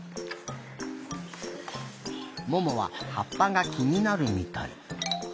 ももははっぱがきになるみたい。